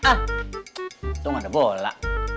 untung ada bola